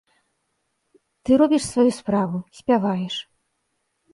Ты робіш сваю справу, спяваеш.